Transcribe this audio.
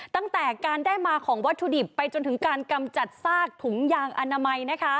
ตั้งแต่การได้มาของวัตถุดิบไปจนถึงการกำจัดซากถุงยางอนามัย